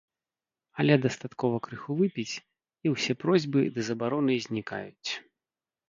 Але дастаткова крыху выпіць, і ўсе просьбы ды забароны знікаюць.